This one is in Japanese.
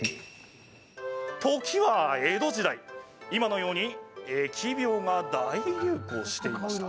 時は江戸時代、今のように疫病が大流行していました。